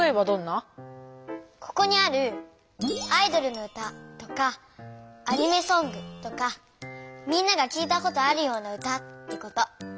ここにある「アイドルの歌」とか「アニメソング」とかみんなが聞いたことあるような歌ってこと。